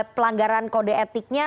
pelanggaran kode etiknya